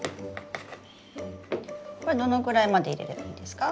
これどのくらいまで入れればいいですか？